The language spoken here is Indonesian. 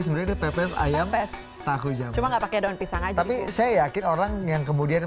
sebenarnya pepes ayam pes tahu jam cuma nggak pakai daun pisang aja tapi saya yakin orang yang kemudian